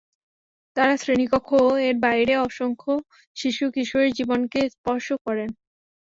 তাঁরা শ্রেণিকক্ষ ও এর বাইরে অসংখ্য শিশু কিশোরের জীবনকে স্পর্শ করেন।